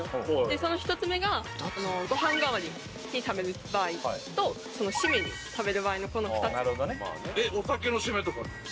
その１つ目がご飯代わりに食べる場合とシメに食べる場合のこの２つ。